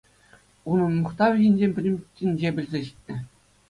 Унӑн мухтавӗ ҫинчен пӗтӗм тӗнче пӗлсе ҫитнӗ.